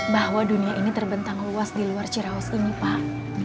bahwa dunia ini terbentang luas di luar cirawas ini pak